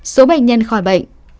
số bệnh nhân khỏi bệnh